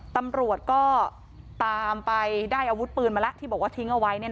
ตำรวจก็ตามไปได้อาวุธปืนมาแล้วที่บอกว่าทิ้งเอาไว้